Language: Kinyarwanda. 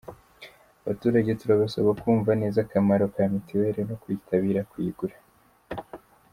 Abaturage turabasaba kumva neza akamaro ka mituweli no kwitabira kuyigura”.